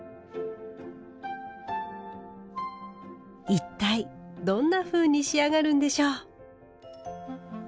一体どんなふうに仕上がるんでしょう。